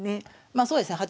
まあそうですね。